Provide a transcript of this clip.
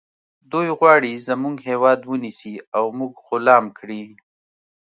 دوی غواړي زموږ هیواد ونیسي او موږ غلام کړي